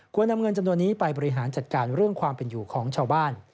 นำเงินจำนวนนี้ไปบริหารจัดการเรื่องความเป็นอยู่ของชาวบ้าน